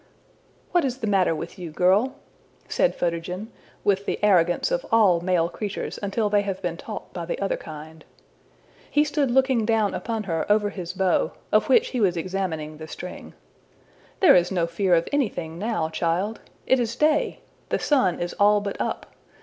'' ``What is the matter with you, girl?'' said Photogen, with the arrogance of all male creatures until they have been taught by the other kind. He stood looking down upon her over his bow, of which he was examining the string. ``There is no fear of anything now, child! It is day. The sun is all but up.